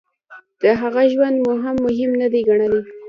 د هغه ژوند مو هم مهم نه دی ګڼلی.